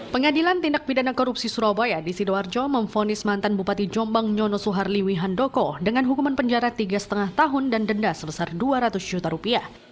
pengadilan tindak pidana korupsi surabaya di sidoarjo memfonis mantan bupati jombang nyono suharliwi handoko dengan hukuman penjara tiga lima tahun dan denda sebesar dua ratus juta rupiah